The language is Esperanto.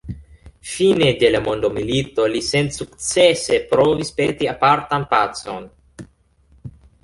Fine de la mondomilito li sensukcese provis peti apartan pacon.